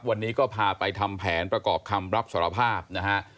วันนี้ก็พาไปทำแผนประกอบคำรับสารภาพนะฮะ